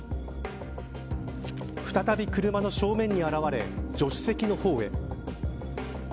再び車の正面に現れ助手席の方へ。